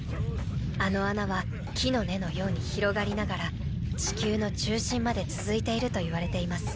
あの穴は木の根のように広がりながら地球の中心まで続いているといわれています。